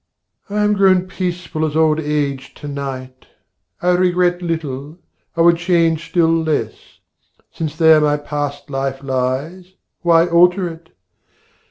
I am grown peaceful as old age to night. I regret little, I would change still less. Since there my past life lies, why alter it?